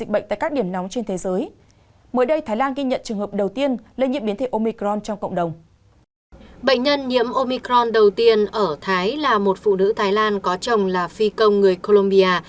bệnh nhân nhiễm omicron đầu tiên ở thái là một phụ nữ thái lan có chồng là phi công người colombia